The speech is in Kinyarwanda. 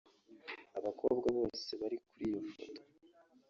Abakobwa bose bari kuri iyi foto